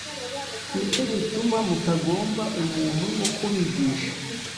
ni cyo gituma mutagomba umuntu wo kubigisha: